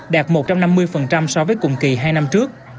đạt một trăm năm mươi so với cùng kỳ hai năm trước